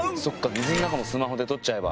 水の中もスマホで撮っちゃえば。